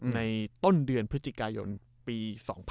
ในต้นเดือนพฤติกายนปี๒๐๑๐